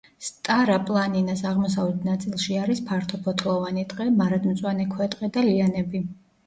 სტარა-პლანინას აღმოსავლეთ ნაწილში არის ფართოფოთლოვანი ტყე, მარადმწვანე ქვეტყე და ლიანები.